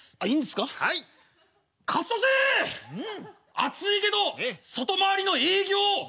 暑いけど外回りの営業頑張れや！」。